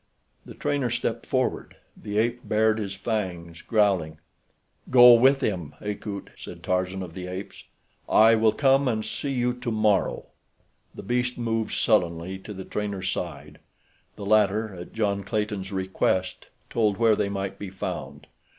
The trainer stepped forward. The ape bared his fangs, growling. "Go with him, Akut," said Tarzan of the Apes. "I will come and see you tomorrow." The beast moved sullenly to the trainer's side. The latter, at John Clayton's request, told where they might be found.